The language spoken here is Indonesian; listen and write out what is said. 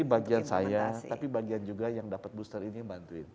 ini bagian saya tapi bagian juga yang dapat booster ini bantuin